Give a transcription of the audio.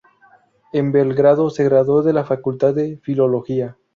En Belgrado, se graduó de la Facultad de Filología.